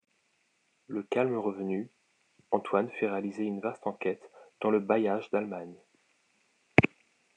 Le calme revenu, Antoine fait réaliser une vaste enquête dans le bailliage d'Allemagne.